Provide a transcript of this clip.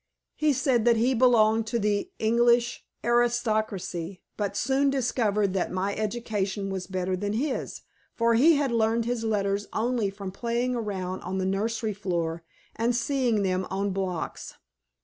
He said that he belonged to the English aristocracy, but soon discovered that my education was better than his, for he had learned his letters only from playing around on the nursery floor and seeing them on blocks.